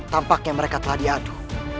tampaknya mereka telah diadu